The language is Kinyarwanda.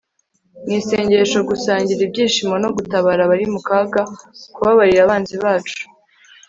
mu isengesho, gusangira ibyishimo no gutabara abari mu kaga, kubabarira abanzi bacu